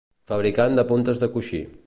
Fabricant de puntes de coixí.